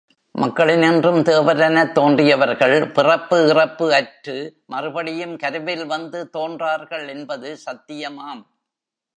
மக்களினின்றும் தேவரெனத் தோன்றியவர்கள் பிறப்பு இறப்பு அற்று மறுபடியும் கருவில் வந்து தோன்றார்கள் என்பது சத்தியமாம்.